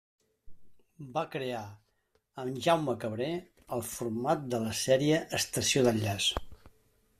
Va crear, amb Jaume Cabré, el format de la sèrie Estació d'enllaç.